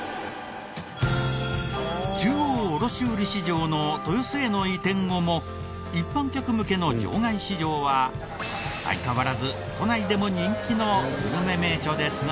中央卸売市場の豊洲への移転後も一般客向けの場外市場は相変わらず都内でも人気のグルメ名所ですが。